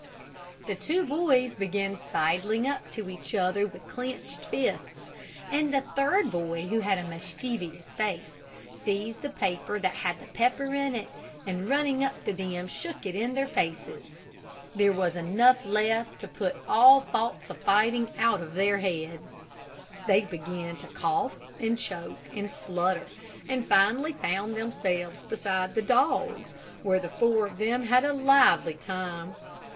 The two boys began sidling up to each other with clenched fists, and a third boy, who had a mischievous face, seized the paper that had had the pepper in it, and running up to them shook it in their faces. There was enough left to put all thoughts of fighting out of their heads. They began to cough, and choke, and splutter, and finally found themselves beside the dogs, where the four of them had a lively time.